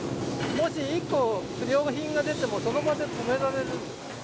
もし１個不良品が出ても、その場で止められる。